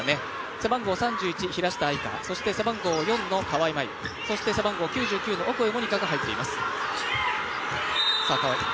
背番号３１・平下愛佳、そして背番号４の川井麻衣背番号９９のオコエ桃仁花が入っています。